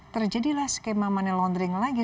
terjadilah skema money laundering lagi